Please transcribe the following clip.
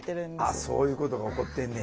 あっそういうことが起こってんねや。